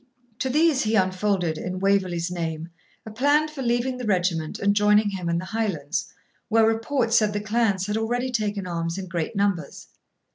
To these he unfolded, in Waverley's name, a plan for leaving the regiment and joining him in the Highlands, where report said the clans had already taken arms in great numbers.